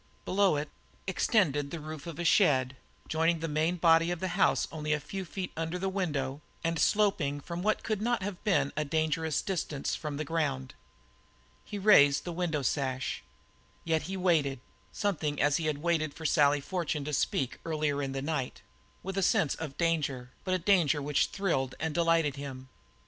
Below it extended the roof of a shed, joining the main body of the house only a few feet under his window and sloping to what could not have been a dangerous distance from the ground. He raised the window sash. Yet he waited, something as he had waited for Sally Fortune to speak earlier in the night, with a sense of danger, but a danger which thrilled and delighted him.